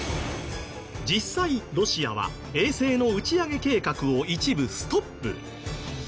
実際ロシアは衛星の打ち上げ計画を一部ストップ。